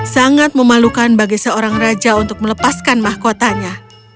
sangat memalukan bagi seorang raja untuk melepaskan mahkotanya